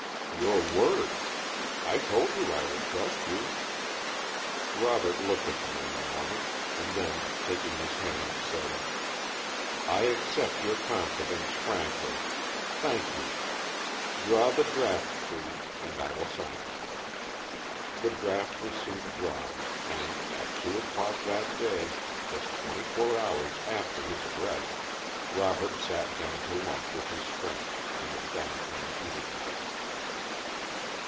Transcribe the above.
"Your word. I told you I would trust you." Robert looked at the man a moment, and then taking his hand, said: "I accept your confidence frankly. Thank you. Draw the draft, please, and I will sign it." The draft was soon drawn, and at two o'clock that day just twenty four hours after his arrest Robert sat down to lunch with his friend, in a down town eating house.